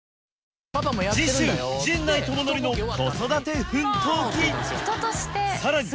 次週陣内智則の子育て奮闘記さらに